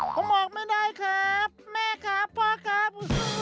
ผมบอกไม่ได้ครับแม่ครับพ่อครับ